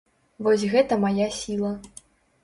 Вось гэта мая сіла.